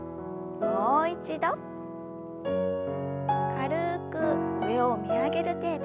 軽く上を見上げる程度。